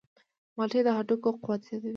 مالټې د هډوکو قوت زیاتوي.